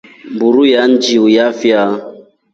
Mburu iya njiiu yafyaa.